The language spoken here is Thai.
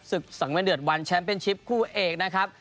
สังเวียนเดือดวันแชมป์เป็นชิปคู่เอกนะครับ